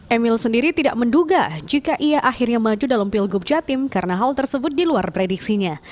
emil sendiri tidak menduga jika ia akhirnya maju dalam pilgub jatim karena hal tersebut diluar prediksinya